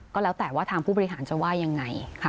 ก็แล้วแต่ว่าทางผู้บริหารจะว่ายังไง